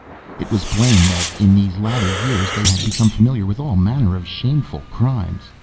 It was plain that in these latter years they had become familiar with all manner of shameful crimes.